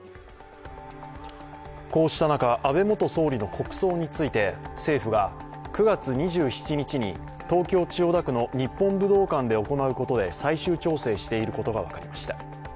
こうした中、安倍元総理の国葬について政府が９月２７日に東京・千代田区の日本武道館で行うことで最終調整していることが分かりました。